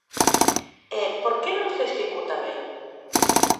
E ¿por que non se executa ben?